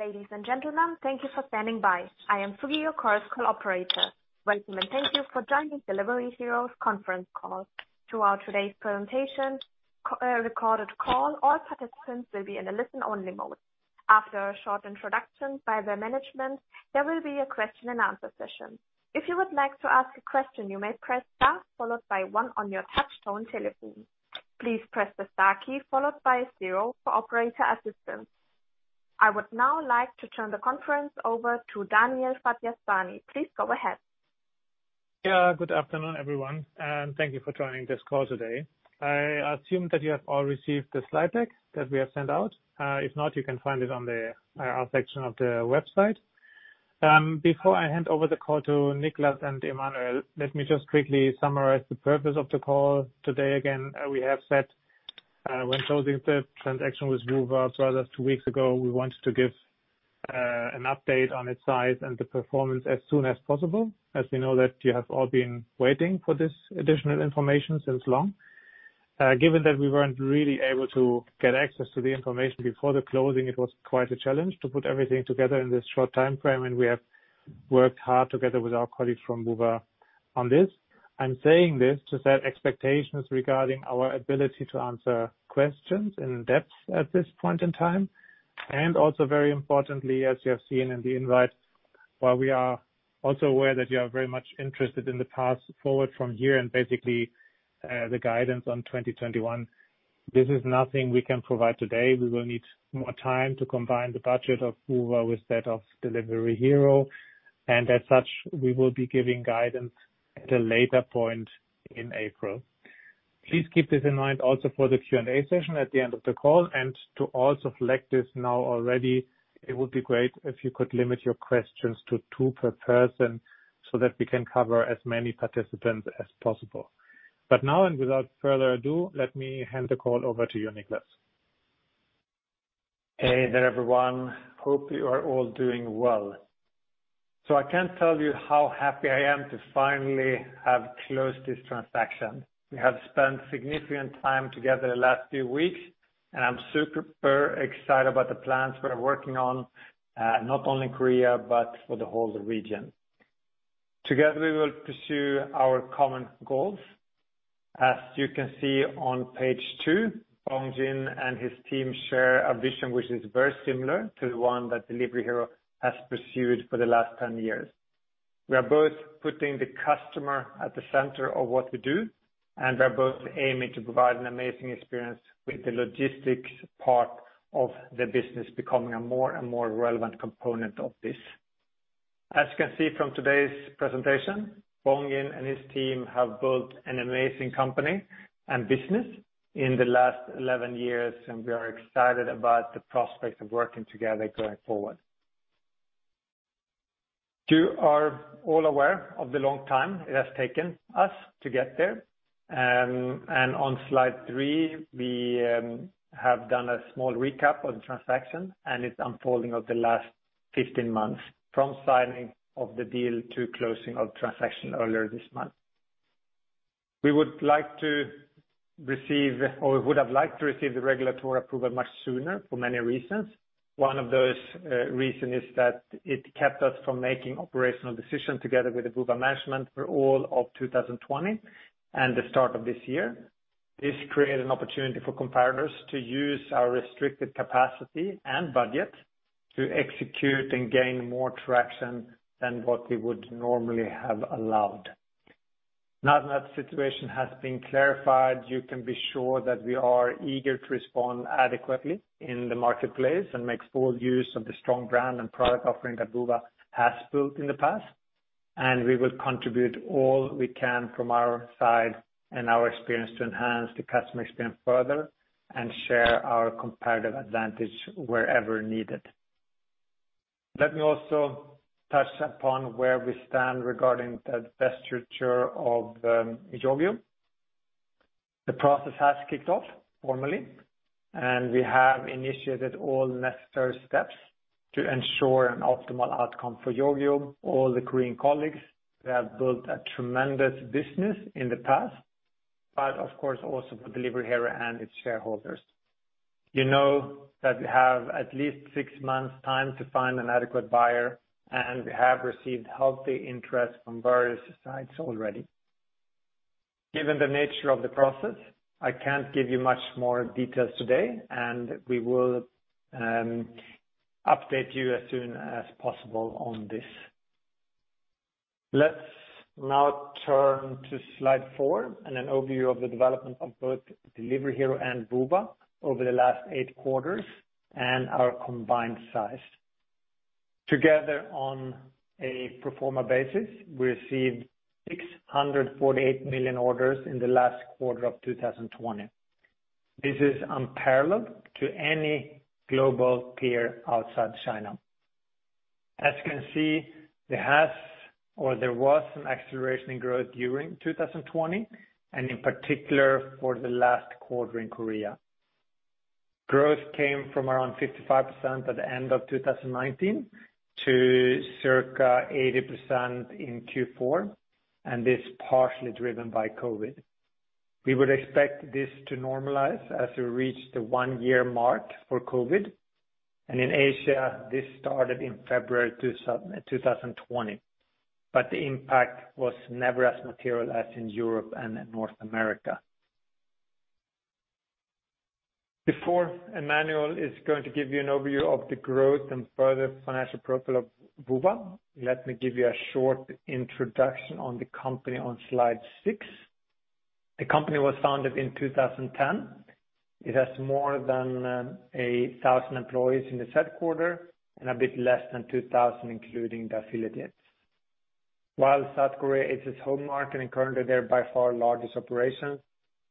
Ladies and gentlemen, thank you for standing by. I am Sugio, Chorus Call operator. Welcome and thank you for joining Delivery Hero's Conference Call. Throughout today's presentation, a recorded call, all participants will be in a listen-only mode. After a short introduction by the management, there will be a question and answer session. If you would like to ask a question, you may press star followed by one on your touch-tone telephone. Please press the star key followed by zero for operator assistance. I would now like to turn the conference over to Daniel Fard-Yazdani. Please go ahead. Good afternoon, everyone, thank you for joining this call today. I assume that you have all received the slide deck that we have sent out. If not, you can find it on the IR section of the website. Before I hand over the call to Niklas and Emmanuel, let me just quickly summarize the purpose of the call today. We have said when closing the transaction with Woowa Brothers two weeks ago, we wanted to give an update on its size and the performance as soon as possible, as we know that you have all been waiting for this additional information since long. Given that we weren't really able to get access to the information before the closing, it was quite a challenge to put everything together in this short timeframe, and we have worked hard together with our colleagues from Woowa on this. I'm saying this to set expectations regarding our ability to answer questions in depth at this point in time. Also very importantly, as you have seen in the invite, while we are also aware that you are very much interested in the path forward from here and basically the guidance on 2021, this is nothing we can provide today. We will need more time to combine the budget of Woowa with that of Delivery Hero. As such, we will be giving guidance at a later point in April. Please keep this in mind also for the Q&A session at the end of the call and to also flag this now already, it would be great if you could limit your questions to two per person so that we can cover as many participants as possible. Now, without further ado, let me hand the call over to you, Niklas. Hey there, everyone. Hope you are all doing well. I can't tell you how happy I am to finally have closed this transaction. We have spent significant time together the last few weeks, and I'm super excited about the plans we're working on, not only in Korea but for the whole region. Together, we will pursue our common goals. As you can see on page two, Bongjin and his team share a vision which is very similar to the one that Delivery Hero has pursued for the last 10 years. We are both putting the customer at the center of what we do, and we are both aiming to provide an amazing experience with the logistics part of the business becoming a more and more relevant component of this. As you can see from today's presentation, Bongjin and his team have built an amazing company and business in the last 11 years, and we are excited about the prospect of working together going forward. You are all aware of the long time it has taken us to get there. On slide three, we have done a small recap on the transaction and its unfolding of the last 15 months, from signing of the deal to closing of transaction earlier this month. We would have liked to receive the regulatory approval much sooner for many reasons. One of those reason is that it kept us from making operational decisions together with the Woowa management for all of 2020 and the start of this year. This created an opportunity for competitors to use our restricted capacity and budget to execute and gain more traction than what we would normally have allowed. Now that the situation has been clarified, you can be sure that we are eager to respond adequately in the marketplace and make full use of the strong brand and product offering that Woowa has built in the past. We will contribute all we can from our side and our experience to enhance the customer experience further and share our competitive advantage wherever needed. Let me also touch upon where we stand regarding the divestiture of Yogiyo. The process has kicked off formally, and we have initiated all necessary steps to ensure an optimal outcome for Yogiyo, all the Korean colleagues that have built a tremendous business in the past, but of course also for Delivery Hero and its shareholders. You know that we have at least six months time to find an adequate buyer. We have received healthy interest from various sides already. Given the nature of the process, I can't give you much more details today. We will update you as soon as possible on this. Let's now turn to slide four and an overview of the development of both Delivery Hero and Woowa over the last eight quarters and our combined size. Together, on a pro forma basis, we received 648 million orders in the last quarter of 2020. This is unparalleled to any global peer outside China. As you can see, there was an acceleration in growth during 2020, and in particular for the last quarter in Korea. Growth came from around 55% at the end of 2019 to circa 80% in Q4, and this partially driven by COVID. We would expect this to normalize as we reach the one-year mark for COVID. In Asia, this started in February 2020, but the impact was never as material as in Europe and North America. Before Emmanuel is going to give you an overview of the growth and further financial profile of Woowa, let me give you a short introduction on the company on slide six. The company was founded in 2010. It has more than 1,000 employees in the headquarter and a bit less than 2,000, including the affiliates. While South Korea is its home market and currently their by far largest operation,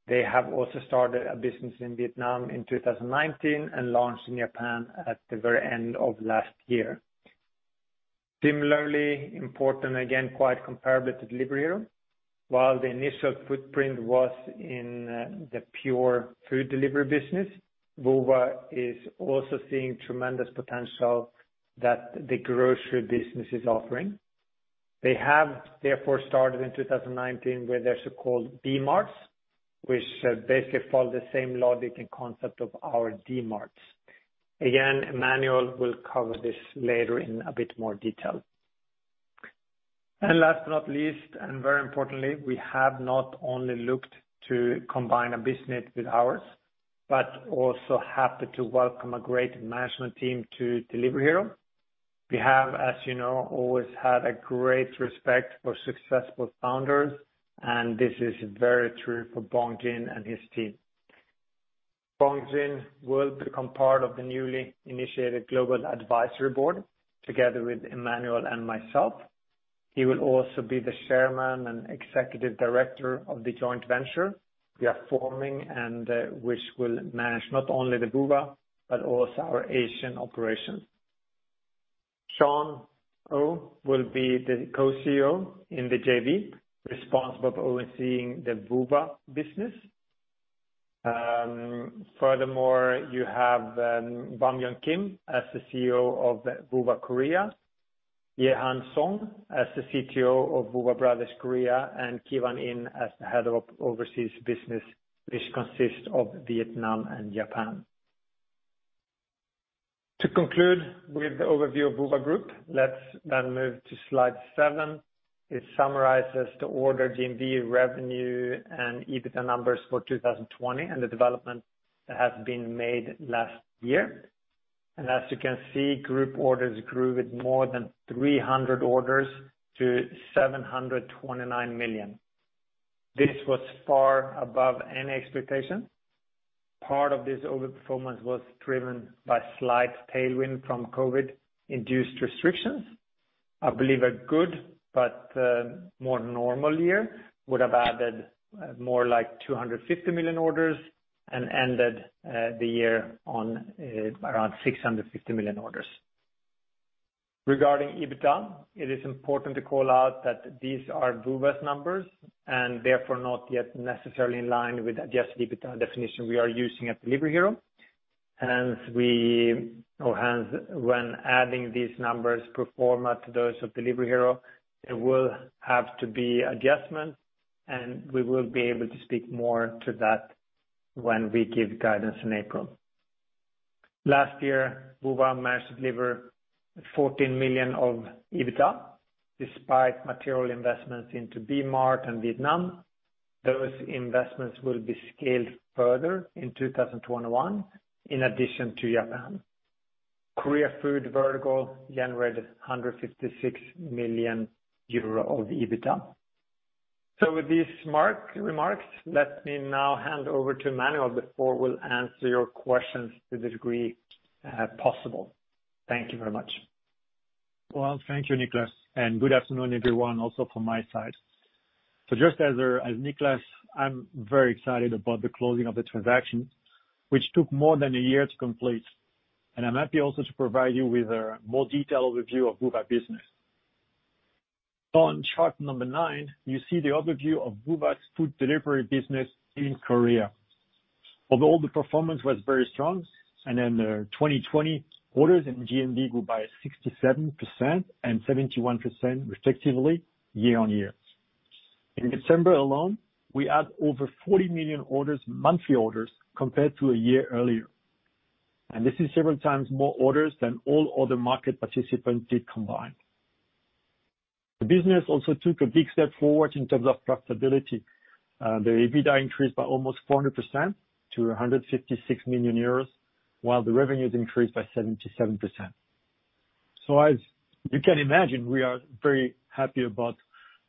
they have also started a business in Vietnam in 2019 and launched in Japan at the very end of last year. Similarly important, again, quite comparable to Delivery Hero. While the initial footprint was in the pure food delivery business, Woowa is also seeing tremendous potential that the grocery business is offering. They have therefore started in 2019 with their so-called B-Marts, which basically follow the same logic and concept as our Dmarts. Again, Emmanuel will cover this later in a bit more detail. Last but not least, and very importantly, we have not only looked to combine a business with ours, but also happy to welcome a great management team to Delivery Hero. We have, as you know, always had a great respect for successful founders, and this is very true for Bongjin and his team. Bongjin will become part of the newly initiated Global Advisory Board, together with Emmanuel and myself. He will also be the chairman and executive director of the joint venture we are forming, and which will manage not only the Woowa, but also our Asian operations. Sean Oh will be the co-CEO in the JV, responsible for overseeing the Woowa business. Furthermore, you have Bum-jun Kim as the CEO of Woowa Korea, Jaeha Song as the CTO of Woowa Brothers Korea, and Giwan Yin as the head of overseas business, which consists of Vietnam and Japan. To conclude with the overview of Woowa Group, let's move to slide seven. It summarizes the order GMV revenue and EBITDA numbers for 2020 and the development that has been made last year. As you can see, group orders grew with more than 300 million orders to 729 million. This was far above any expectation. Part of this over-performance was driven by slight tailwind from COVID-induced restrictions. I believe a good but more normal year would have added more like 250 million orders and ended the year on around 650 million orders. Regarding EBITDA, it is important to call out that these are Woowa's numbers and therefore not yet necessarily in line with Adjusted EBITDA definition we are using at Delivery Hero. When adding these numbers pro forma to those of Delivery Hero, there will have to be adjustments, and we will be able to speak more to that when we give guidance in April. Last year, Woowa managed to deliver 14 million of EBITDA, despite material investments into B-Mart and Vietnam. Those investments will be scaled further in 2021, in addition to Japan. Korea food vertical generated 156 million euro of EBITDA. With these remarks, let me now hand over to Emmanuel before we'll answer your questions to the degree possible. Thank you very much. Thank you, Niklas, and good afternoon, everyone, also from my side. Just as Niklas, I'm very excited about the closing of the transaction, which took more than a year to complete. I'm happy also to provide you with a more detailed review of Woowa business. On chart number nine, you see the overview of Woowa's food delivery business in Korea. Although all the performance was very strong and in 2020, orders and GMV grew by 67% and 71%, respectively, year on year. In December alone, we had over 40 million orders, monthly orders, compared to a year earlier. This is several times more orders than all other market participants did combined. The business also took a big step forward in terms of profitability. The EBITDA increased by almost 400% to 156 million euros, while the revenues increased by 77%. As you can imagine, we are very happy about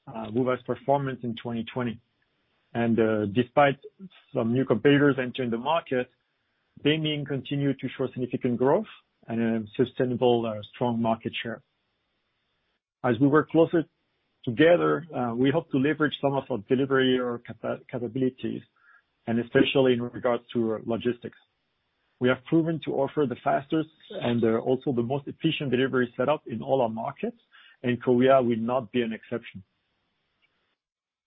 Woowa's performance in 2020. Despite some new competitors entering the market, they may continue to show significant growth and a sustainable, strong market share. As we work closer together, we hope to leverage some of our Delivery Hero capabilities, and especially in regards to logistics. We have proven to offer the fastest and also the most efficient delivery set up in all our markets, and Korea will not be an exception.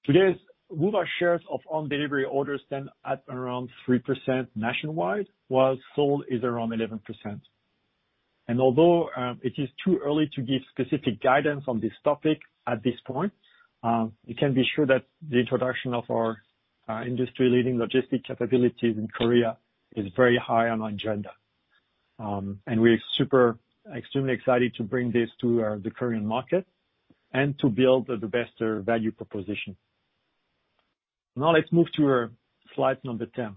Today, Woowa shares of own delivery orders stand at around 3% nationwide, while Seoul is around 11%. Although it is too early to give specific guidance on this topic at this point, you can be sure that the introduction of our industry-leading logistics capabilities in Korea is very high on our agenda. We're extremely excited to bring this to the Korean market and to build the best value proposition. Now let's move to slide number 10.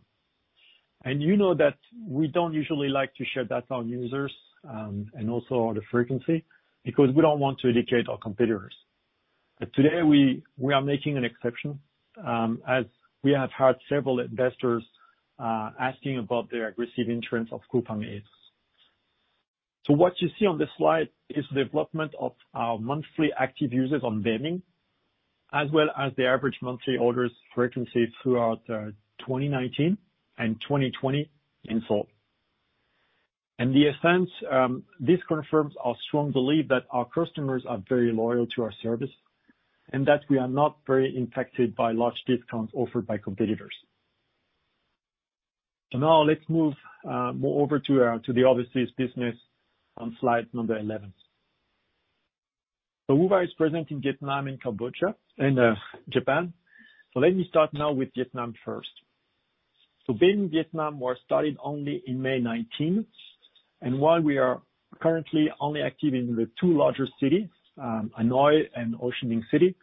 You know that we don't usually like to share that with our users, and also the frequency, because we don't want to educate our competitors. Today, we are making an exception, as we have had several investors asking about the aggressive entrance of Coupang Eats. What you see on this slide is the development of our monthly active users on Baemin, as well as the average monthly orders frequency throughout 2019 and 2020 in Seoul. In essence, this confirms our strong belief that our customers are very loyal to our service and that we are not very impacted by large discounts offered by competitors. Now let's move more over to the overseas business on slide number 11. Woowa is present in Vietnam and Japan. Let me start now with Vietnam first. Baemin Vietnam was started only in May 2019, and while we are currently only active in the two larger cities, Hanoi and Ho Chi Minh City,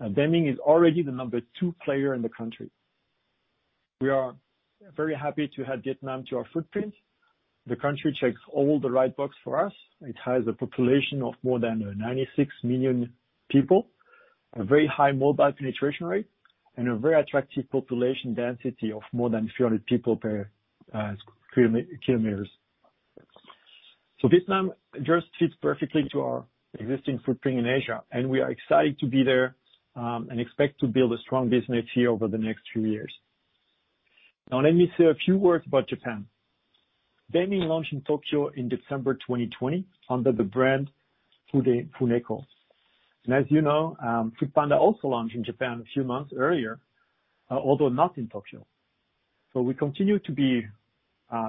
Baemin is already the number two player in the country. We are very happy to add Vietnam to our footprint. The country checks all the right boxes for us. It has a population of more than 96 million people, a very high mobile penetration rate, and a very attractive population density of more than 300 people per square kilometers. Vietnam just fits perfectly to our existing footprint in Asia, and we are excited to be there, and expect to build a strong business here over the next few years. Now let me say a few words about Japan. Baemin launched in Tokyo in December 2020 under the brand FOODNEKO. As you know, foodpanda also launched in Japan a few months earlier, although not in Tokyo. We continue to be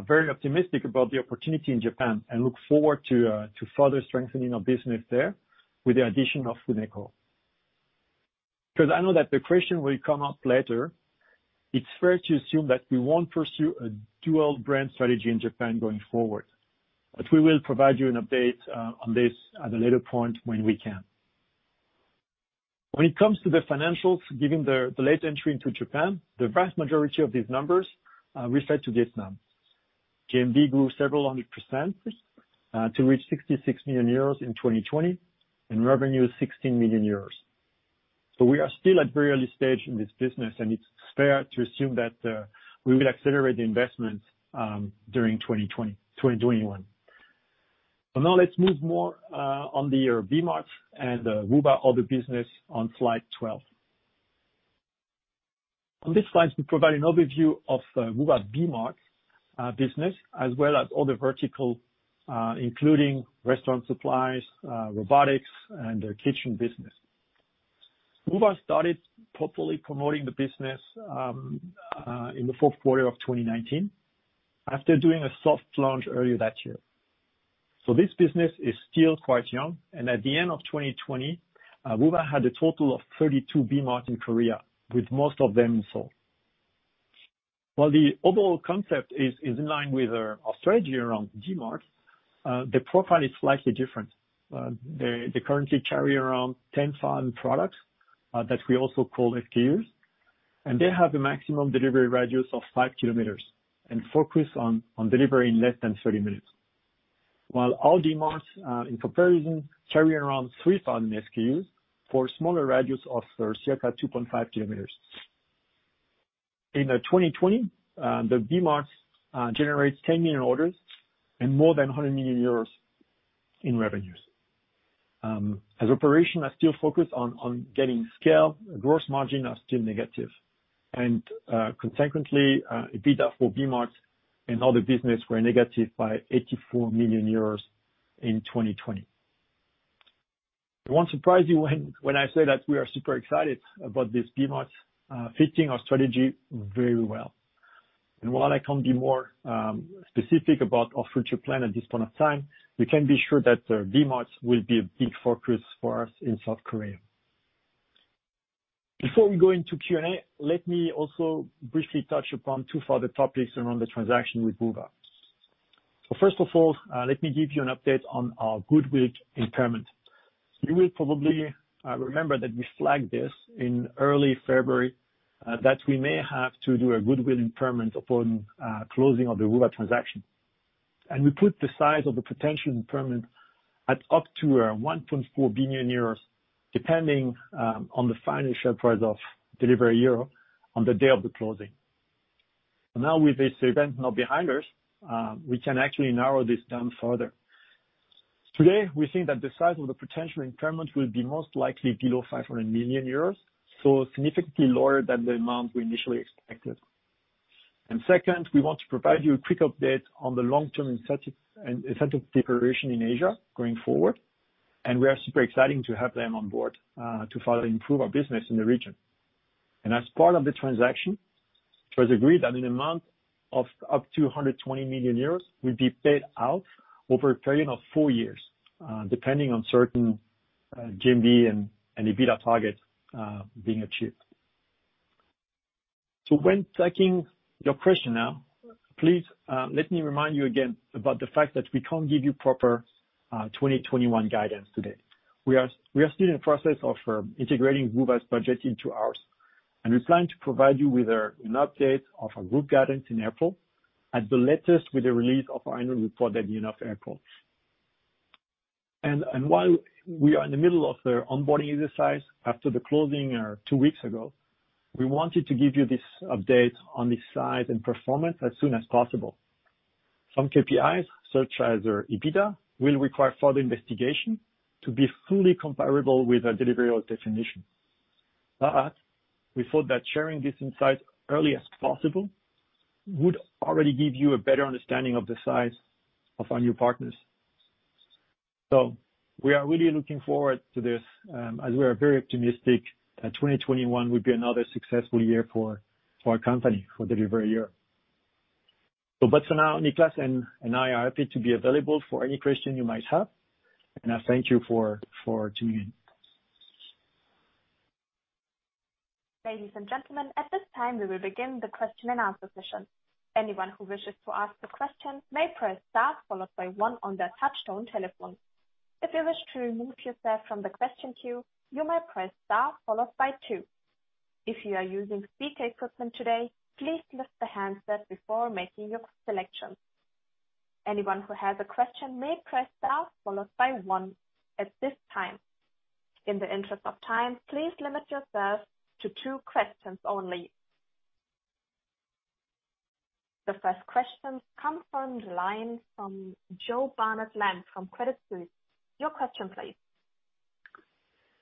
very optimistic about the opportunity in Japan and look forward to further strengthening our business there with the addition of FOODNEKO. Because I know that the question will come up later, it's fair to assume that we won't pursue a dual brand strategy in Japan going forward. We will provide you an update on this at a later point when we can. When it comes to the financials, given the late entry into Japan, the vast majority of these numbers refer to Vietnam. GMV grew several hundred percent to reach 66 million euros in 2020, and revenue 16 million euros. We are still at a very early stage in this business, and it's fair to assume that we will accelerate the investment during 2021. Now let's move more on the B-Mart and Woowa Other Business on slide 12. On this slide, we provide an overview of Woowa B-Mart business as well as Other Vertical, including restaurant supplies, robotics, and the kitchen business. Woowa started properly promoting the business in the fourth quarter of 2019 after doing a soft launch earlier that year. This business is still quite young, and at the end of 2020, Woowa had a total of 32 B-Mart in Korea, with most of them in Seoul. While the overall concept is in line with our strategy around Dmart, the profile is slightly different. They currently carry around 10,000 products, that we also call SKUs, and they have a maximum delivery radius of 5 km and focus on delivery in less than 30 minutes. Our Dmarts in comparison carry around 3,000 SKUs for smaller radius of circa 2.5 km. In 2020, the B-Marts generates 10 million orders and more than 100 million euros in revenues. As operations are still focused on getting scale, gross margin are still negative. Consequently, EBITDA for B-Mart and Other Business were negative by 84 million euros in 2020. It won't surprise you when I say that we are super excited about this B-Mart fitting our strategy very well. While I can't be more specific about our future plan at this point of time, we can be sure that B-Marts will be a big focus for us in South Korea. Before we go into Q&A, let me also briefly touch upon two further topics around the transaction with Woowa. First of all, let me give you an update on our goodwill impairment. You will probably remember that we flagged this in early February, that we may have to do a goodwill impairment upon closing of the Woowa transaction. We put the size of the potential impairment at up to 1.4 billion euros, depending on the final share price of Delivery Hero on the day of the closing. Now with this event now behind us, we can actually narrow this down further. Today, we think that the size of the potential impairment will be most likely below 500 million euros, so significantly lower than the amount we initially expected. Second, we want to provide you a quick update on the long-term incentive declaration in Asia going forward. We are super excited to have them on board to further improve our business in the region. As part of the transaction, it was agreed that an amount of up to 120 million euros will be paid out over a period of four years, depending on certain GMV and EBITDA targets being achieved. When taking your question now, please let me remind you again about the fact that we can't give you proper 2021 guidance today. We are still in the process of integrating Woowa's budget into ours. We plan to provide you with an update of our group guidance in April, at the latest with the release of our annual report at the end of April. While we are in the middle of the onboarding exercise after the closing two weeks ago, we wanted to give you this update on this size and performance as soon as possible. Some KPIs, such as our EBITDA, will require further investigation to be fully comparable with a Delivery Hero definition. We thought that sharing this insight early as possible would already give you a better understanding of the size of our new partners. We are really looking forward to this, as we are very optimistic that 2021 will be another successful year for our company, for Delivery Hero. For now, Niklas and I are happy to be available for any question you might have, and I thank you for tuning in. Ladies and gentlemen, at this time, we will begin the question and answer session. Anyone who wishes to ask a question may press star followed by one on their touchtone telephone. If you wish to remove yourself from the question queue, you may press star followed by two. If you're using speaker equipment today, please lift the handset before making your selection. Anyone who has a question may press star followed by one, at this time. In the interest of time, please limit yourselves to two questions only. The first question comes on the line from Joe Barnet-Lamb from Credit Suisse. Your question, please.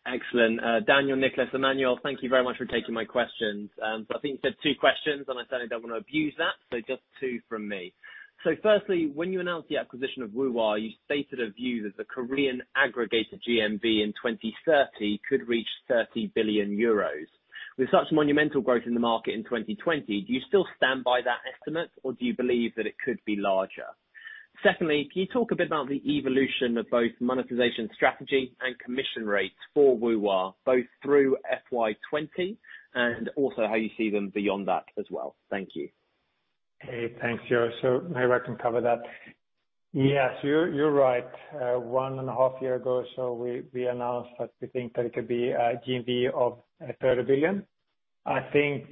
Excellent. Daniel, Niklas, Emmanuel, thank you very much for taking my questions. I think you said two questions, and I certainly don't want to abuse that. Just two from me. Firstly, when you announced the acquisition of Woowa, you stated a view that the Korean aggregated GMV in 2030 could reach 30 billion euros. With such monumental growth in the market in 2020, do you still stand by that estimate, or do you believe that it could be larger? Secondly, can you talk a bit about the evolution of both monetization strategy and commission rates for Woowa, both through FY 2020 and also how you see them beyond that as well? Thank you. Hey, thanks, Joe. Maybe I can cover that. Yes, you're right. One and a half year ago or so, we announced that we think that it could be a GMV of 30 billion. I think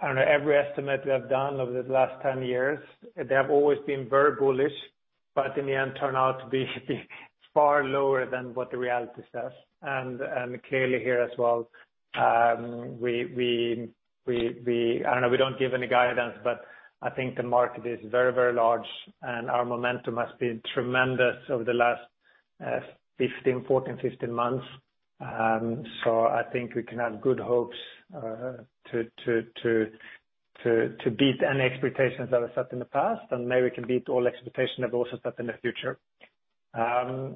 on every estimate we have done over the last 10 years, they have always been very bullish, but in the end turn out to be far lower than what the reality says. Clearly here as well, I don't know, we don't give any guidance, but I think the market is very large and our momentum has been tremendous over the last 14, 15 months. I think we can have good hopes to beat any expectations that were set in the past, and maybe we can beat all expectation that we also set in the future. To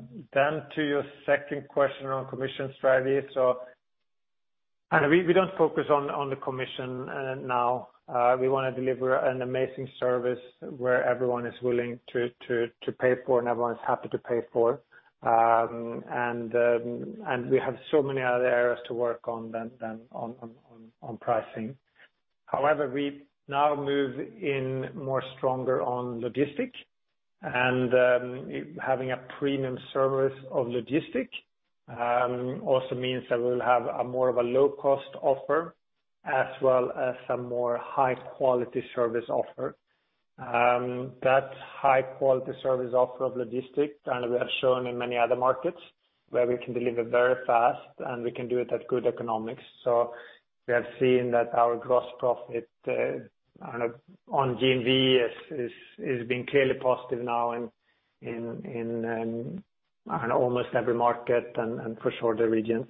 your second question around commission strategy. We don't focus on the commission now. We want to deliver an amazing service where everyone is willing to pay for and everyone's happy to pay for. We have so many other areas to work on than on pricing. However, we now move in more stronger on logistics and having a premium service of logistics also means that we'll have a more of a low cost offer as well as some more high quality service offer. That high quality service offer of logistics, we have shown in many other markets where we can deliver very fast and we can do it at good economics. We have seen that our Gross Profit on GMV is being clearly positive now in almost every market and for sure the regions.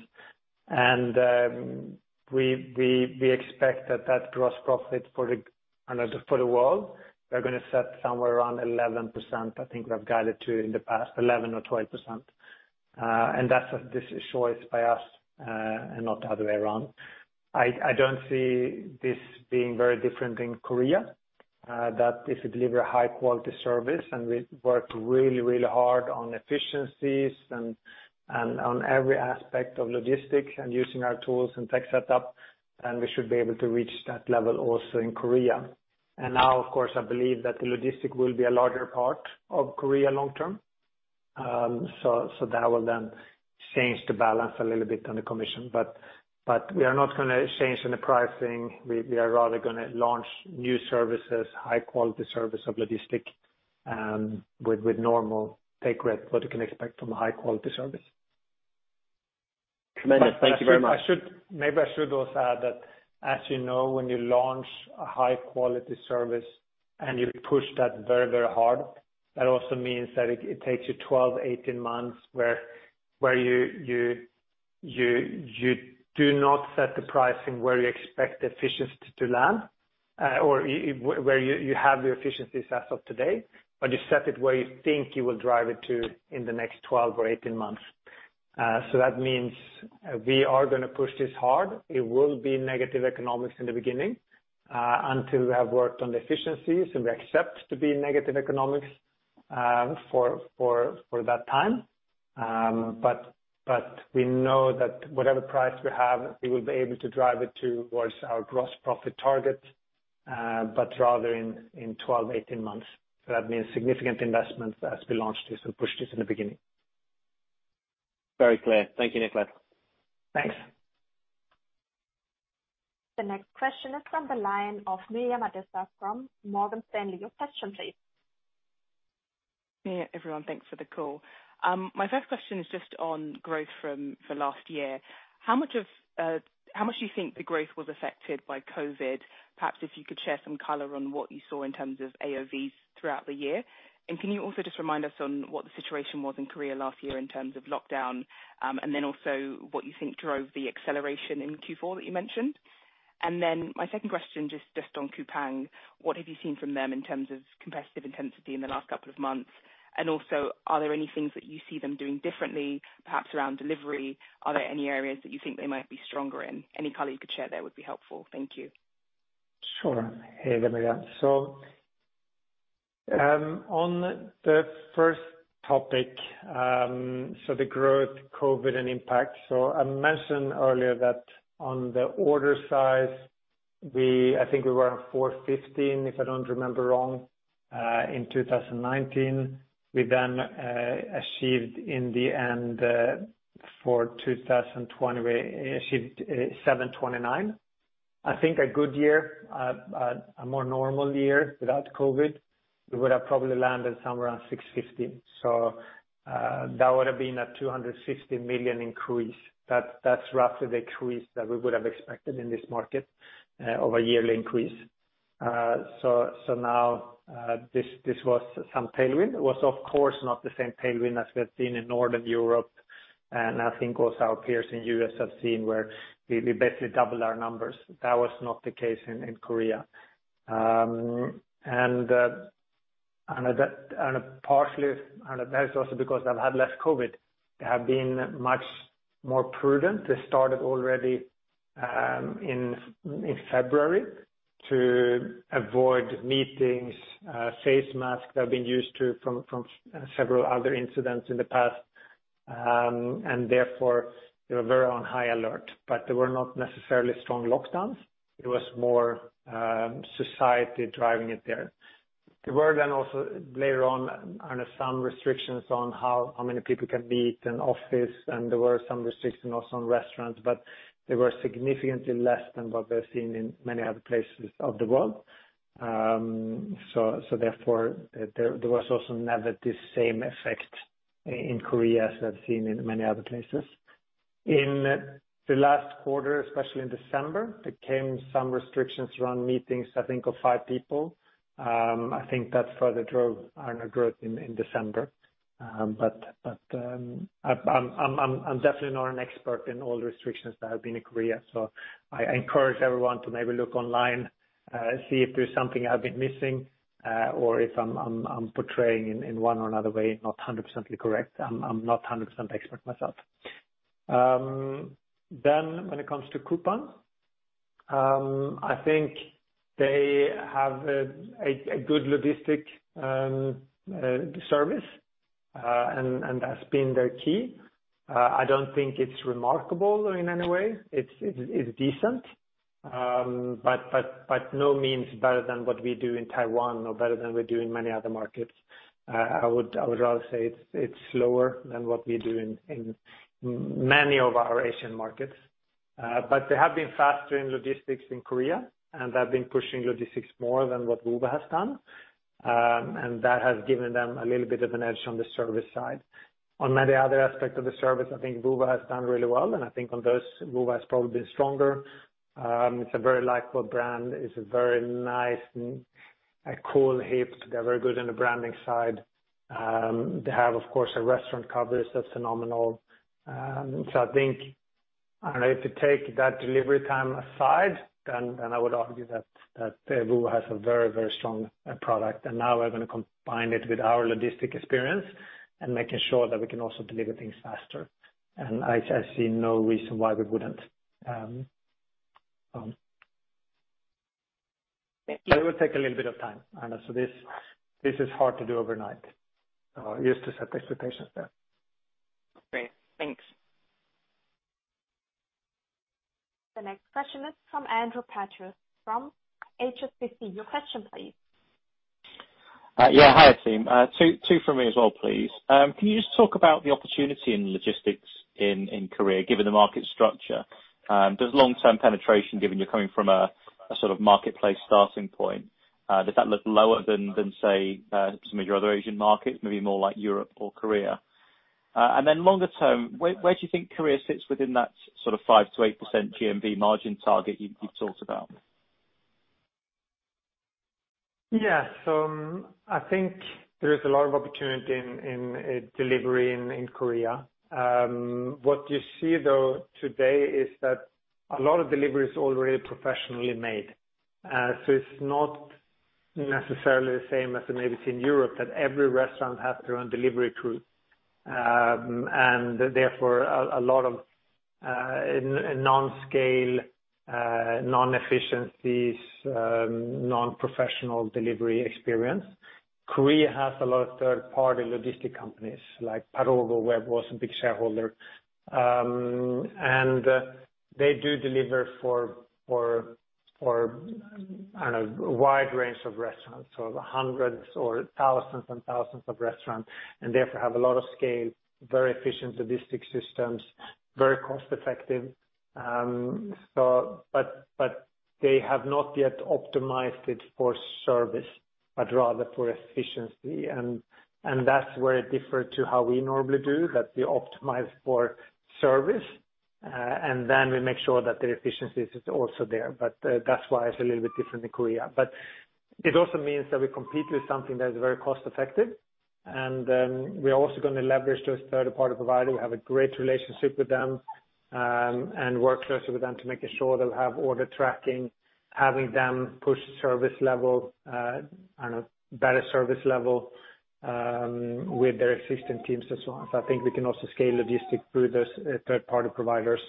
We expect that that Gross Profit for the world, we're going to set somewhere around 11%. I think we've guided to in the past 11% or 12%. That's a choice by us, not the other way around. I don't see this being very different in Korea, that if you deliver a high quality service and we work really hard on efficiencies and on every aspect of logistics and using our tools and tech setup, then we should be able to reach that level also in Korea. Now, of course, I believe that the logistics will be a larger part of Korea long term. That will then change the balance a little bit on the commission. We are not going to change any pricing. We are rather going to launch new services, high quality service of logistics, with normal take rate, what you can expect from a high quality service. Tremendous. Thank you very much. Maybe I should also add that as you know, when you launch a high quality service and you push that very hard, that also means that it takes you 12, 18 months where you do not set the pricing where you expect the efficiency to land or where you have your efficiencies as of today, but you set it where you think you will drive it to in the next 12 or 18 months. That means we are going to push this hard. It will be negative economics in the beginning until we have worked on the efficiencies, and we accept to be negative economics for that time. We know that whatever price we have, we will be able to drive it towards our Gross Profit target, rather in 12, 18 months. That means significant investments as we launch this and push this in the beginning. Very clear. Thank you, Niklas. Thanks. The next question is from the line of Miriam Adisa from Morgan Stanley. Your question, please. Yeah, everyone, thanks for the call. My first question is just on growth for last year. How much do you think the growth was affected by COVID? Perhaps if you could share some color on what you saw in terms of AOVs throughout the year. Can you also just remind us on what the situation was in Korea last year in terms of lockdown, and then also what you think drove the acceleration in Q4 that you mentioned? My second question, just on Coupang, what have you seen from them in terms of competitive intensity in the last couple of months? Are there any things that you see them doing differently, perhaps around delivery? Are there any areas that you think they might be stronger in? Any color you could share there would be helpful. Thank you. Sure. Hey there, Miriam. On the first topic, the growth COVID and impact. I mentioned earlier that on the order size, I think we were on 415 million, if I don't remember wrong, in 2019. We achieved in the end for 2020, we achieved 729 million. I think a good year, a more normal year without COVID, we would have probably landed somewhere around 650 million. That would have been a 260 million increase. That's roughly the increase that we would have expected in this market of a yearly increase. Now, this was some tailwind. It was of course not the same tailwind as we have seen in Northern Europe and I think also our peers in U.S. have seen where we basically double our numbers. That was not the case in Korea. Partially that is also because they've had less COVID. They have been much more prudent. They started already in February to avoid meetings. Face masks, they've been used to from several other incidents in the past. Therefore, they were very on high alert. There were not necessarily strong lockdowns. It was more society driving it there. There were then also later on some restrictions on how many people can be in office, and there were some restrictions on some restaurants, but they were significantly less than what we've seen in many other places of the world. Therefore, there was also never this same effect in Korea as we have seen in many other places. In the last quarter, especially in December, there came some restrictions around meetings, I think, of five people. I think that further drove our growth in December. I'm definitely not an expert in all the restrictions that have been in Korea. I encourage everyone to maybe look online, see if there's something I've been missing, or if I'm portraying in one or another way, not 100% correct. I'm not 100% expert myself. When it comes to Coupang, I think they have a good logistics service, and that's been their key. I don't think it's remarkable in any way. It's decent. No means better than what we do in Taiwan or better than we do in many other markets. I would rather say it's slower than what we do in many of our Asian markets. They have been faster in logistics in Korea, and they've been pushing logistics more than what Woowa has done. That has given them a little bit of an edge on the service side. On many other aspects of the service, I think Woowa has done really well, and I think on those, Woowa has probably been stronger. It's a very likable brand. It's a very nice and a cool app. They're very good on the branding side. They have, of course, a restaurant coverage that's phenomenal. I think if you take that delivery time aside, then I would argue that Woowa has a very, very strong product. Now we're going to combine it with our logistics experience and making sure that we can also deliver things faster. I see no reason why we wouldn't. Thank you. It will take a little bit of time. This is hard to do overnight. Just to set the expectations there. Great. Thanks. The next question is from Andrew Porteous from HSBC. Your question, please. Yeah. Hi, team. Two from me as well, please. Can you just talk about the opportunity in logistics in Korea, given the market structure? Does long-term penetration, given you're coming from a sort of marketplace starting point, does that look lower than, say, some of your other Asian markets, maybe more like Europe or Korea? Longer term, where do you think Korea sits within that sort of 5%-8% GMV margin target you've talked about? I think there is a lot of opportunity in delivery in Korea. What you see though today is that a lot of delivery is already professionally made. It's not necessarily the same as it may be in Europe, that every restaurant has their own delivery crew. Therefore, a lot of non-scale, non-efficiencies, non-professional delivery experience. Korea has a lot of third-party logistic companies like Barogo, where it was a big shareholder. They do deliver for a wide range of restaurants, hundreds or thousands of restaurants, and therefore have a lot of scale, very efficient logistic systems, very cost-effective. They have not yet optimized it for service, but rather for efficiency. That's where it differs to how we normally do, that we optimize for service, and then we make sure that the efficiencies is also there. That's why it's a little bit different in Korea. It also means that we compete with something that is very cost-effective. Then we are also going to leverage those third-party provider. We have a great relationship with them, and work closely with them to make sure they'll have order tracking, having them push service level, I don't know, better service level with their existing teams and so on. I think we can also scale logistic through those third-party providers,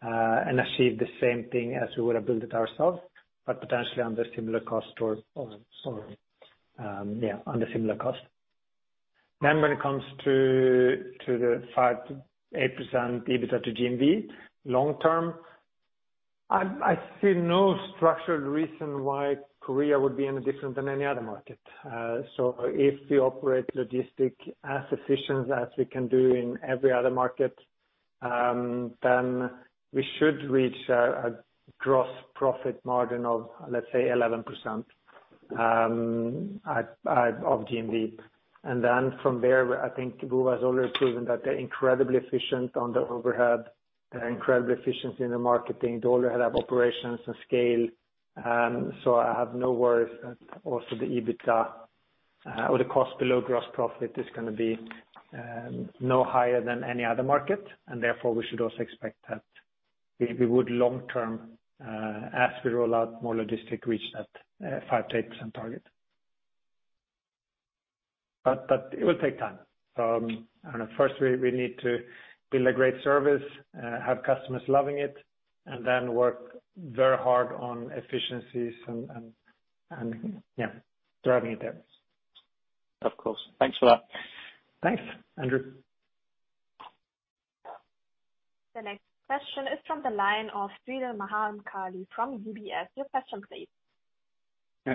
and achieve the same thing as we would have built it ourselves, but potentially under similar cost or sorry. Yeah, under similar cost. When it comes to the 5%-8% EBITDA to GMV long term, I see no structured reason why Korea would be any different than any other market. If we operate logistic as efficient as we can do in every other market, then we should reach a gross profit margin of, let's say, 11% of GMV. From there, I think Woowa has already proven that they're incredibly efficient on the overhead. They're incredibly efficient in the marketing. They already have operations and scale. I have no worries that also the EBITDA or the cost below Gross Profit is going to be no higher than any other market. Therefore, we should also expect that we would long term, as we roll out more logistic, reach that 5%-8% target. It will take time. I don't know. First, we need to build a great service, have customers loving it, and then work very hard on efficiencies and yeah, driving it there. Of course. Thanks for that. Thanks, Andrew. The next question is from the line of Sridhar Mahamkali from UBS. Your question, please.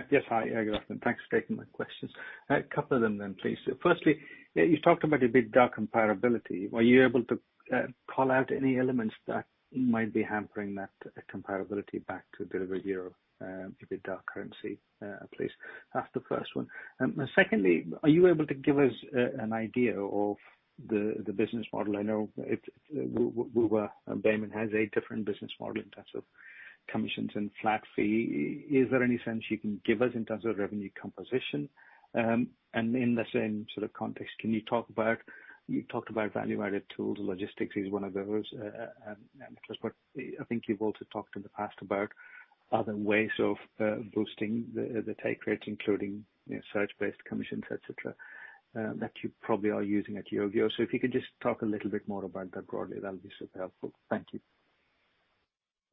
Yes. Hi, everyone. Thanks for taking my questions. A couple of them, please. Firstly, you talked about EBITDA comparability. Were you able to call out any elements that might be hampering that comparability back to Delivery Hero, EBITDA currently, please? That's the first one. Secondly, are you able to give us an idea of the business model? I know Woowa and Baemin has a different business model in terms of commissions and flat fee. Is there any sense you can give us in terms of revenue composition? In the same sort of context, can you talk about value-added tools? Logistics is one of those. I think you've also talked in the past about other ways of boosting the take rates, including search-based commissions, et cetera, that you probably are using at Yogiyo's. If you could just talk a little bit more about that broadly, that'll be super helpful. Thank you.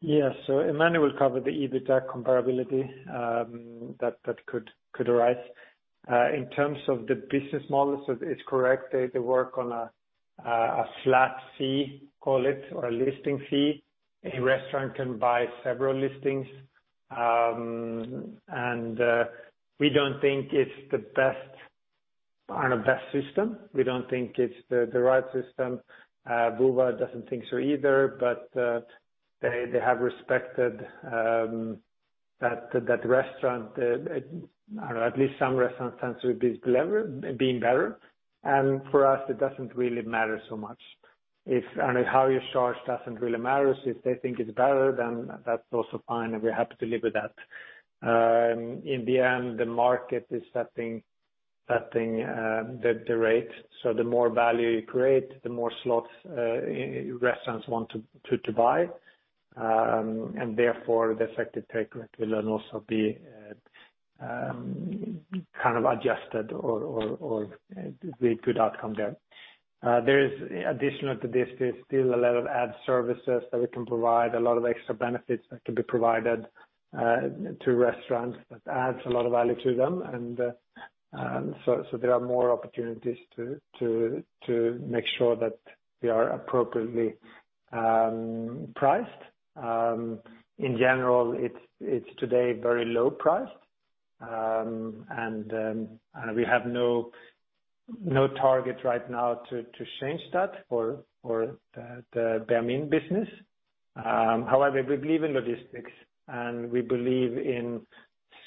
Yeah. Emmanuel will cover the EBITDA comparability that could arise. In terms of the business models, it's correct. They work on a flat fee, call it, or a listing fee. A restaurant can buy several listings. We don't think it's the best system. We don't think it's the right system. Woowa doesn't think so either. They have respected that restaurant, at least some restaurants tends to be better. For us, it doesn't really matter so much. How you charge doesn't really matter. If they think it's better, that's also fine, we're happy to live with that. In the end, the market is setting the rate. The more value you create, the more slots restaurants want to buy, therefore the effective take rate will also be kind of adjusted or be a good outcome there. Additional to this, there's still a lot of ad services that we can provide, a lot of extra benefits that can be provided to restaurants that adds a lot of value to them. There are more opportunities to make sure that we are appropriately priced. In general, it's today very low priced. We have no target right now to change that for the Baemin business. However, we believe in logistics, and we believe in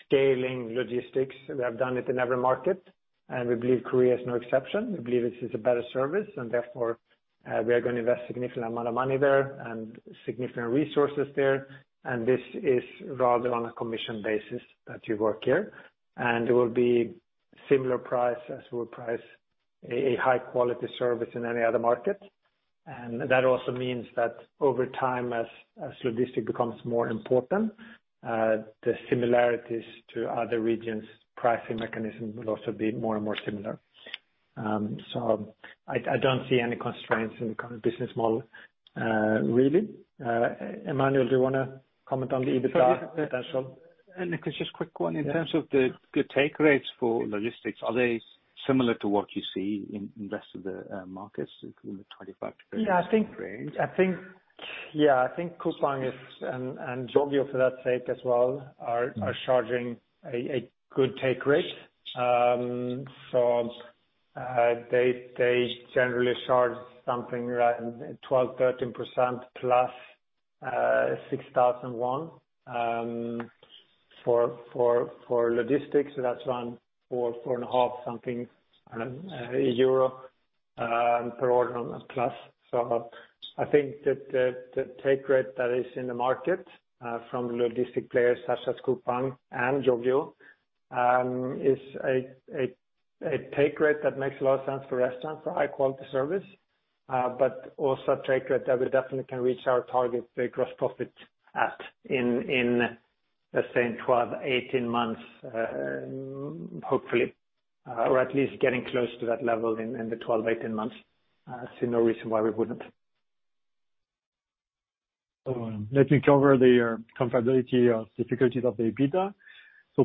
scaling logistics. We have done it in every market, and we believe Korea is no exception. We believe this is a better service, and therefore, we are going to invest significant amount of money there and significant resources there. This is rather on a commission basis that you work here. It will be similar price as we price a high-quality service in any other market. That also means that over time, as logistics becomes more important, the similarities to other regions' pricing mechanism will also be more and more similar. I don't see any constraints in the current business model, really. Emmanuel, do you want to comment on the EBITDA potential? Niklas, just a quick one. Yeah. In terms of the take rates for logistics, are they similar to what you see in rest of the markets in the 25%-30% range? I think Coupang and Yogiyo, for that sake as well, are charging a good take rate. They generally charge something around 12%-13% plus 6,000 won for logistics, that's around four and a half something EUR per order plus. I think that the take rate that is in the market from logistic players such as Coupang and Yogiyo is a take rate that makes a lot of sense for restaurants, for high quality service, but also a take rate that we definitely can reach our target Gross Profit at, in, let's say 12-18 months hopefully or at least getting close to that level in the 12-18 months. I see no reason why we wouldn't. Let me cover the comparability or difficulties of the EBITDA.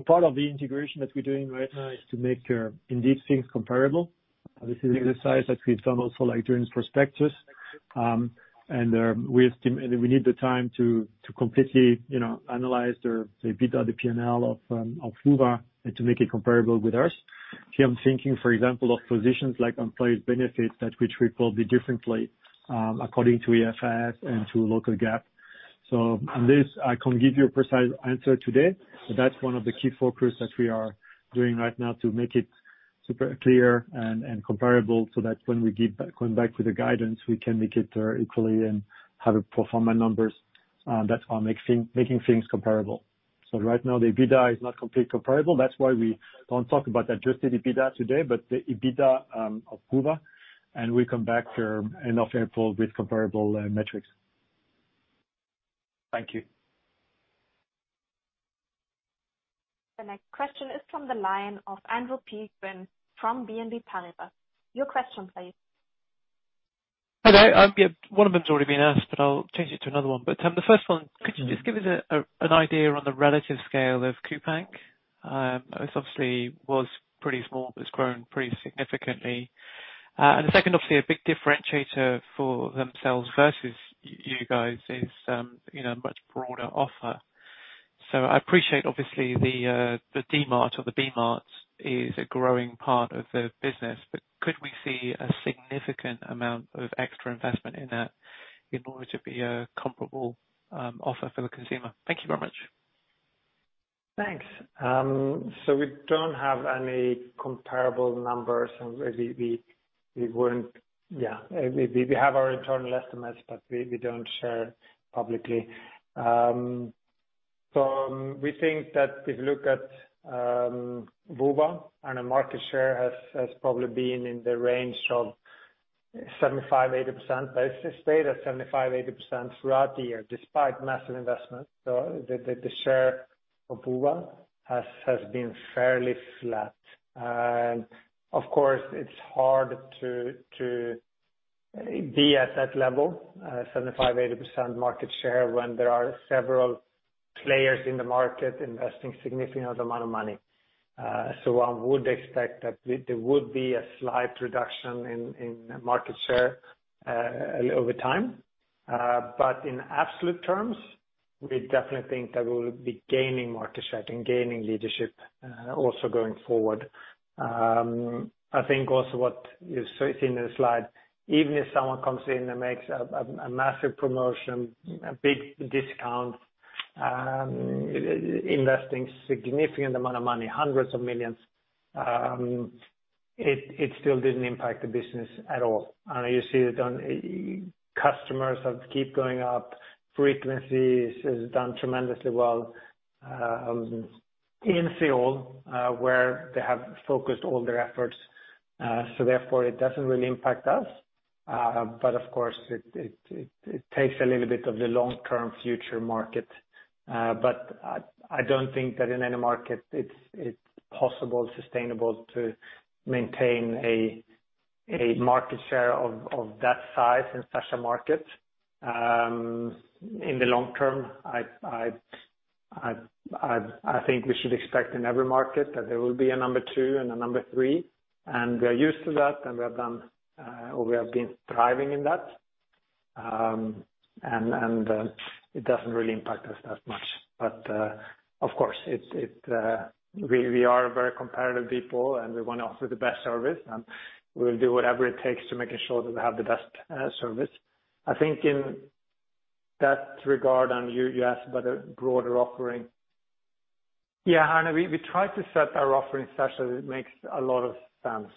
Part of the integration that we're doing right now is to make indeed things comparable. This is an exercise that we've done also during prospectus. We need the time to completely analyze the EBITDA, the P&L of Woowa and to make it comparable with ours. Here I'm thinking, for example, of positions like employee benefits that which we pull differently according to IFRS and to local GAAP. On this, I can't give you a precise answer today, but that's one of the key focus that we are doing right now to make it super clear and comparable so that when we go back to the guidance, we can make it equally and have pro forma numbers that are making things comparable. Right now the EBITDA is not completely comparable. That's why we don't talk about Adjusted EBITDA today, but the EBITDA of Woowa, and we come back end of April with comparable metrics. Thank you. The next question is from the line of Andrew P. Steen from BNP Paribas. Your question, please. Hello. One of them has already been asked, but I'll change it to another one. The first one, could you just give us an idea on the relative scale of Coupang? It obviously was pretty small, but it's grown pretty significantly. The second, obviously a big differentiator for themselves versus you guys is much broader offer. I appreciate obviously the Dmart or the B-Mart is a growing part of the business, but could we see a significant amount of extra investment in that in order to be a comparable offer for the consumer? Thank you very much. Thanks. We don't have any comparable numbers. We have our internal estimates, but we don't share publicly. We think that if you look at Woowa and the market share has probably been in the range of 75%-80%, but it's stayed at 75%-80% throughout the year despite massive investment. The share of Woowa has been fairly flat. Of course, it's hard to be at that level, 75%-80% market share when there are several players in the market investing significant amount of money. One would expect that there would be a slight reduction in market share over time. In absolute terms, we definitely think that we'll be gaining market share and gaining leadership also going forward. I think also what you see in the slide, even if someone comes in and makes a massive promotion, a big discount, investing significant amount of money, hundreds of millions of EUR, it still didn't impact the business at all. You see it on customers have keep going up. Frequency has done tremendously well in Seoul, where they have focused all their efforts. Therefore, it doesn't really impact us. Of course, it takes a little bit of the long-term future market. I don't think that in any market it's possible, sustainable to maintain a market share of that size in such a market. In the long term, I think we should expect in every market that there will be a number two and a number three, and we are used to that, and we have been thriving in that. It doesn't really impact us that much. Of course we are very competitive people, and we want to offer the best service, and we'll do whatever it takes to making sure that we have the best service. I think in that regard, you asked about a broader offering. Yeah, we try to set our offering such that it makes a lot of sense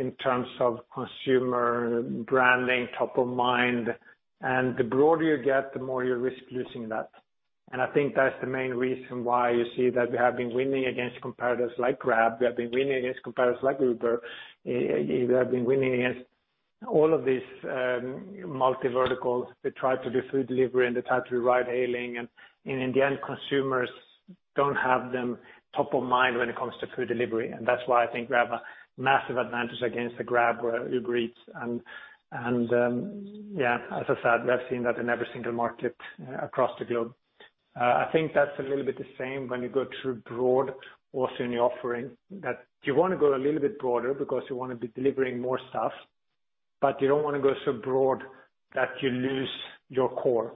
in terms of consumer branding, top of mind. The broader you get, the more you risk losing that. I think that's the main reason why you see that we have been winning against competitors like Grab. We have been winning against competitors like Uber. We have been winning against all of these multi-verticals. They try to do food delivery and they try to do ride-hailing, and in the end, consumers don't have them top of mind when it comes to food delivery. That's why I think we have a massive advantage against Grab or Uber Eats. Yeah, as I said, we have seen that in every single market across the globe. I think that's a little bit the same when you go too broad also in your offering, that you want to go a little bit broader because you want to be delivering more stuff, but you don't want to go so broad that you lose your core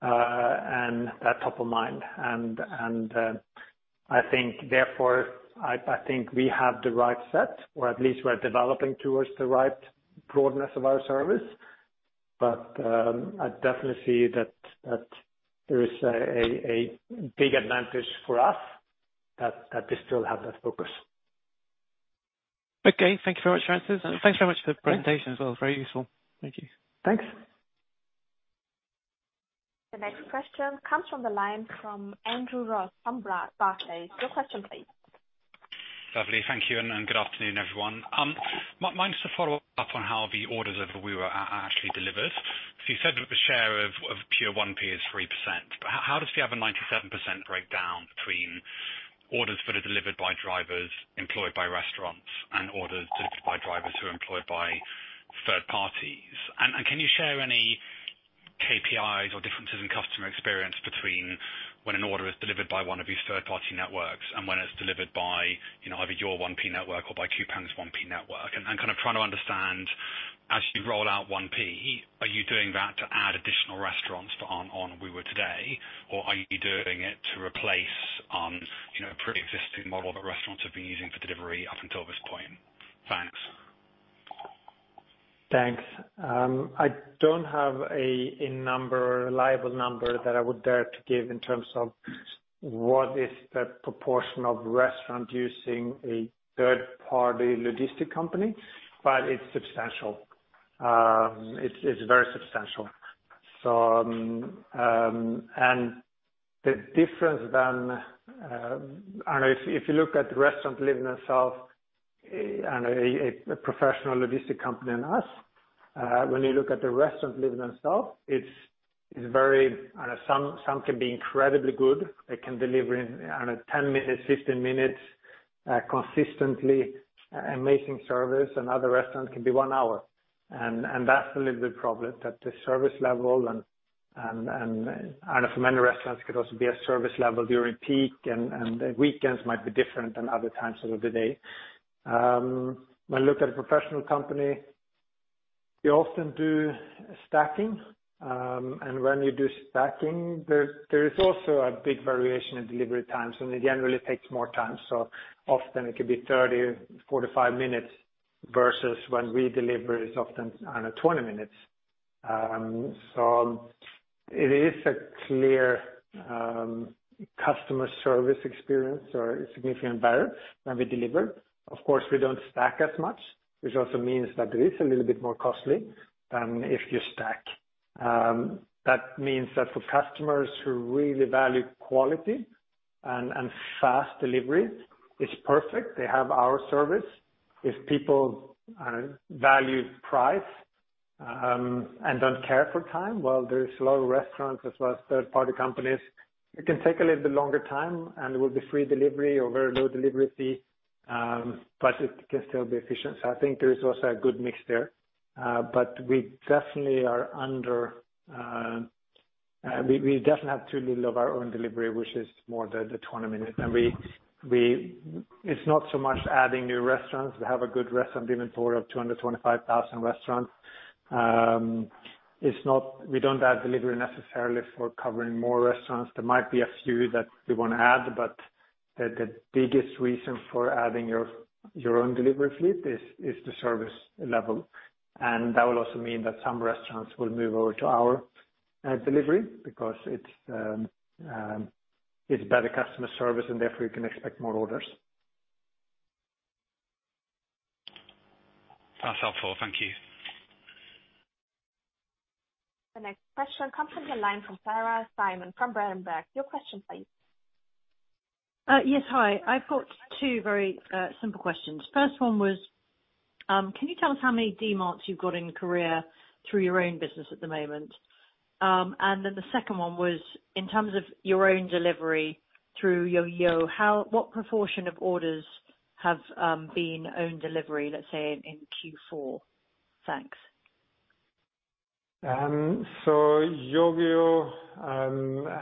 and that top of mind. I think therefore, I think we have the right set, or at least we are developing towards the right broadness of our service. I definitely see that there is a big advantage for us that we still have that focus. Okay. Thank you very much for your answers. Thanks very much for the presentation as well. Very useful. Thank you. Thanks. The next question comes from the line from Andrew Ross from Barclays. Your question, please. Lovely. Thank you. Good afternoon, everyone. Mine is to follow up on how the orders of the Woowa are actually delivered. You said that the share of pure 1P is 3%, how does the other 97% break down between orders that are delivered by drivers employed by restaurants and orders delivered by drivers who are employed by third parties? Can you share any KPIs or differences in customer experience between when an order is delivered by one of these third-party networks and when it's delivered by either your 1P network or by Coupang's 1P network? I'm kind of trying to understand, as you roll out 1P, are you doing that to add additional restaurants on Woowa today, or are you doing it to replace preexisting model that restaurants have been using for delivery up until this point? Thanks. Thanks. I don't have a reliable number that I would dare to give in terms of what is the proportion of restaurant using a third-party logistic company, but it's substantial. It's very substantial. The difference then, if you look at restaurant delivering itself and a professional logistic company and us, when you look at the restaurant delivering itself, some can be incredibly good. They can deliver in 10 minutes, 15 minutes consistently amazing service, another restaurant can be one hour. That's a little bit problem that the service level and for many restaurants could also be a service level during peak and the weekends might be different than other times of the day. When you look at a professional company, you often do stacking, and when you do stacking, there is also a big variation in delivery times, and it generally takes more time. Often it could be 30, 45 minutes versus when we deliver is often under 20 minutes. It is a clear customer service experience or significant barrier when we deliver. Of course, we don't stack as much, which also means that it is a little bit more costly than if you stack. That means that for customers who really value quality and fast delivery, it's perfect. They have our service. If people value price and don't care for time, well, there is a lot of restaurants as well as third-party companies. It can take a little bit longer time, and it will be free delivery or very low delivery fee, but it can still be efficient. I think there is also a good mix there. We definitely have too little of our own delivery, which is more the 20 minutes. It's not so much adding new restaurants. We have a good restaurant inventory of 225,000 restaurants. We don't add delivery necessarily for covering more restaurants. There might be a few that we want to add, but the biggest reason for adding your own delivery fleet is the service level. That will also mean that some restaurants will move over to our delivery because it's better customer service, and therefore you can expect more orders. That's helpful. Thank you. The next question comes from the line from Sarah Simon from Berenberg. Your question, please. Yes. Hi. I've got two very simple questions. First one was, can you tell us how many Dmarts you've got in Korea through your own business at the moment? The second one was, in terms of your own delivery through Yogiyo, what proportion of orders have been own delivery, let's say in Q4? Thanks. Yogiyo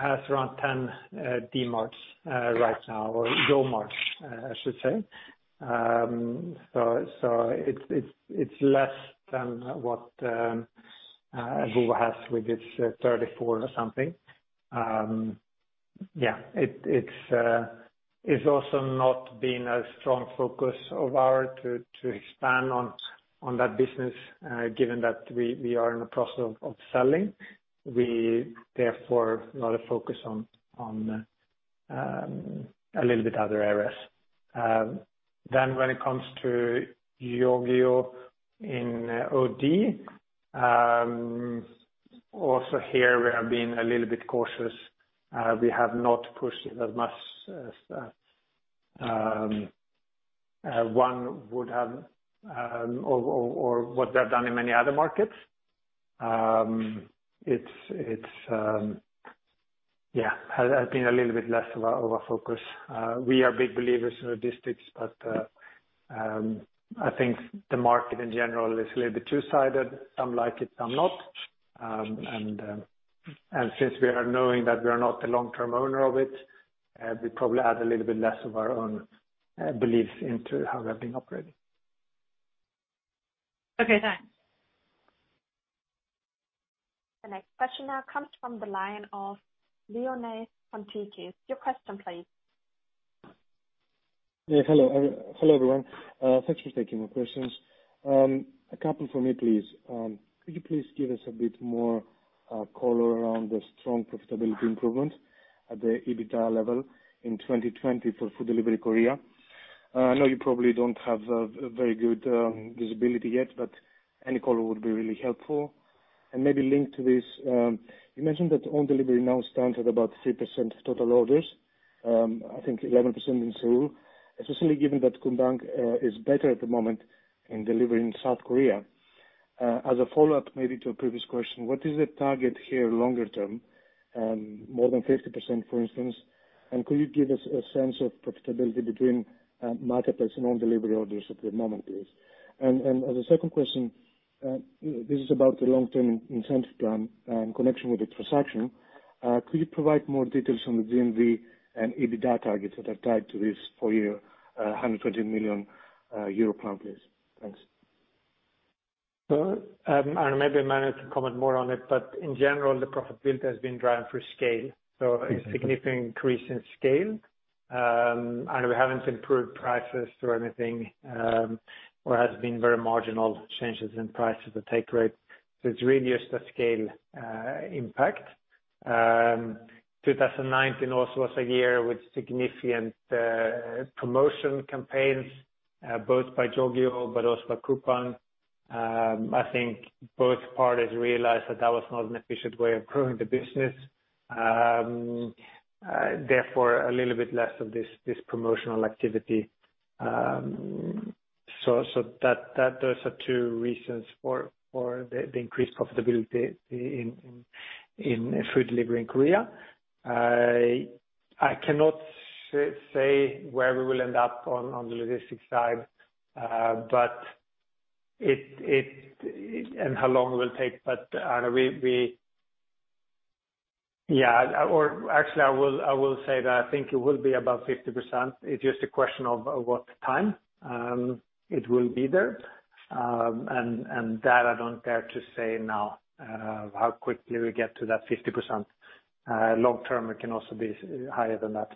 has around 10 Dmarts right now, or YoMarts I should say. It's less than what Woowa has with its 34 or something. Yeah. It's also not been a strong focus of ours to expand on that business given that we are in the process of selling, therefore not a focus on other areas. When it comes to Yogiyo in OD, also here we are being a little bit cautious. We have not pushed it as much as one would have or what they have done in many other markets. It has been a little bit less of our focus. We are big believers in logistics, but I think the market in general is a little bit two-sided. Some like it, some not. Since we are knowing that we are not the long-term owner of it, we probably add a little bit less of our own beliefs into how we have been operating. Okay, thanks. The next question now comes from the line of Ioannis Pontikis. Your question, please. Hello everyone. Thanks for taking my questions. A couple for me, please. Could you please give us a bit more color around the strong profitability improvement at the EBITDA level in 2020 for food delivery Korea? I know you probably don't have very good visibility yet, any color would be really helpful. Maybe linked to this, you mentioned that own delivery now stands at about 3% of total orders. I think 11% in Seoul. Especially given that Coupang is better at the moment in delivering South Korea. As a follow-up maybe to a previous question, what is the target here longer term, more than 50%, for instance? Could you give us a sense of profitability between marketplace and own delivery orders at the moment, please? As a second question, this is about the long-term incentive plan in connection with the transaction. Could you provide more details on the GMV and EBITDA targets that are tied to this four-year 120 million euro plan, please? Thanks. Maybe Emmanuel can comment more on it, but in general, the profitability has been driven through scale. A significant increase in scale, and we haven't improved prices or anything, or has been very marginal changes in prices, the take rate. It's really just a scale impact. 2019 also was a year with significant promotion campaigns, both by Yogiyo but also by Coupang. I think both parties realized that that was not an efficient way of growing the business. Therefore, a little bit less of this promotional activity. Those are two reasons for the increased profitability in food delivery in Korea. I cannot say where we will end up on the logistics side, and how long it will take. Actually, I will say that I think it will be above 50%. It's just a question of what time it will be there. That I don't dare to say now, how quickly we get to that 50%. Long term, it can also be higher than that.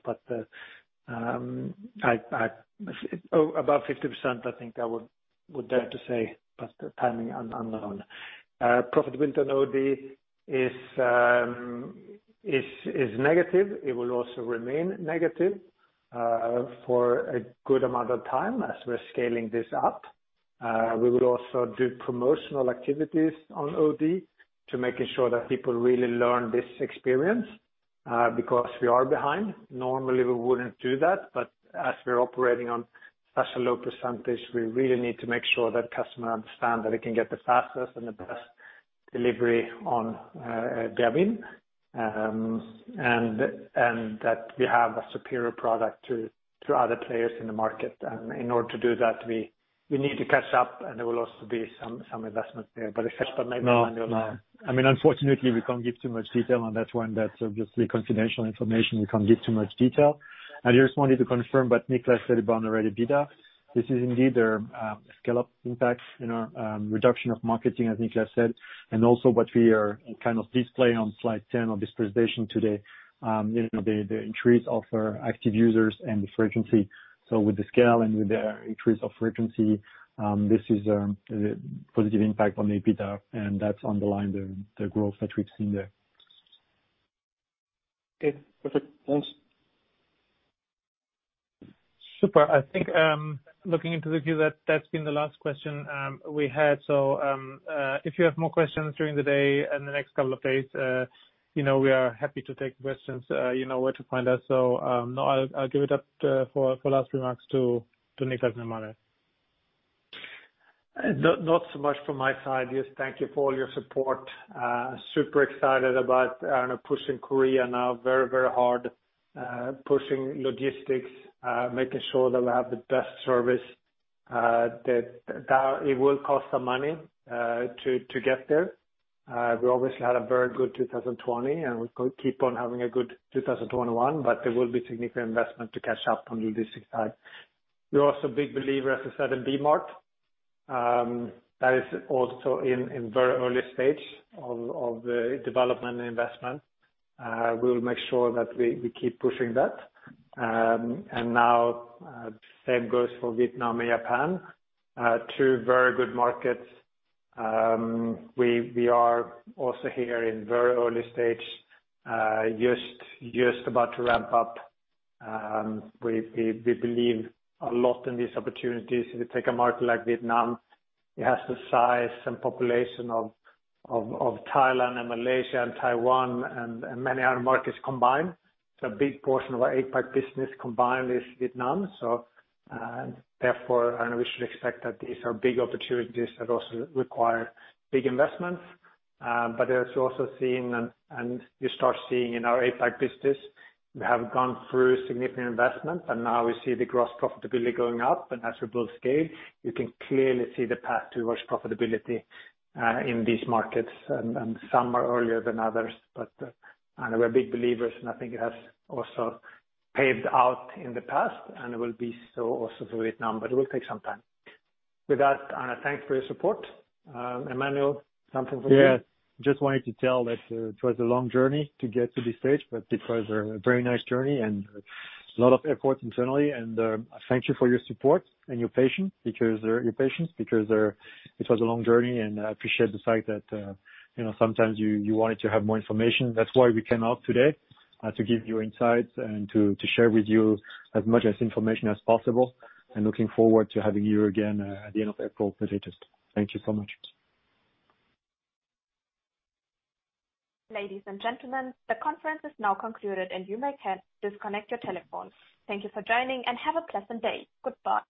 Above 50%, I think I would dare to say. The timing is unknown. Profitability on OD is negative. It will also remain negative for a good amount of time as we're scaling this up. We will also do promotional activities on OD to making sure that people really learn this experience, because we are behind. Normally, we wouldn't do that, but as we're operating on such a low percentage, we really need to make sure that customer understand that they can get the fastest and the best delivery on Baemin. That we have a superior product to other players in the market. In order to do that, we need to catch up, and there will also be some investments there. Emmanuel. No. Unfortunately, we can't give too much detail on that one. That's obviously confidential information. We can't give too much detail. I just wanted to confirm what Niklas said about the rate of EBITDA. This is indeed a scale-up impact in our reduction of marketing, as Niklas said, and also what we are kind of display on slide 10 of this presentation today. The increase of our active users and the frequency. With the scale and with the increase of frequency, this is a positive impact on the EBITDA, and that's underlying the growth that we've seen there. Okay. Perfect. Thanks. Super. I think, looking into the queue, that's been the last question we had. If you have more questions during the day and the next couple of days, we are happy to take questions. You know where to find us. Now I'll give it up for last remarks to Niklas and Emmanuel. Not so much from my side. Just thank you for all your support. Super excited about pushing Korea now very hard. Pushing logistics, making sure that we have the best service. It will cost some money to get there. We obviously had a very good 2020, and we keep on having a good 2021, but there will be significant investment to catch up on logistics side. We're also a big believer, as I said, in B-Mart. That is also in very early stage of development and investment. We will make sure that we keep pushing that. Now, same goes for Vietnam and Japan. Two very good markets. We are also here in very early stage, just about to ramp up. We believe a lot in these opportunities. If you take a market like Vietnam, it has the size and population of Thailand and Malaysia and Taiwan and many other markets combined. It's a big portion of our APAC business combined is Vietnam. Therefore, we should expect that these are big opportunities that also require big investments. As you start seeing in our APAC business, we have gone through significant investment, and now we see the gross profitability going up. As we build scale, you can clearly see the path towards profitability in these markets. Some are earlier than others, but we're big believers, and I think it has also paved out in the past, and it will be so also for Vietnam, but it will take some time. With that, thanks for your support. Emmanuel, something from you? Yeah. Just wanted to tell that it was a long journey to get to this stage, but it was a very nice journey and a lot of effort internally. Thank you for your support and your patience because it was a long journey and I appreciate the fact that sometimes you wanted to have more information. That's why we came out today, to give you insights and to share with you as much of information as possible, and looking forward to having you again, at the end of April for the latest. Thank you so much. Ladies and gentlemen, the conference is now concluded and you may disconnect your telephones. Thank you for joining and have a pleasant day. Goodbye.